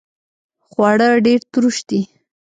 خواړه ډیر تروش دي